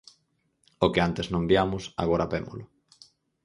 O que antes non viamos, agora vémolo.